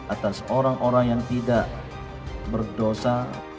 atas orang orang yang tidak berdosa